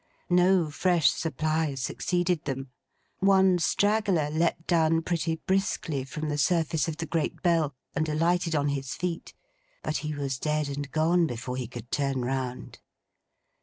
No fresh supply succeeded them. One straggler leaped down pretty briskly from the surface of the Great Bell, and alighted on his feet, but he was dead and gone before he could turn round.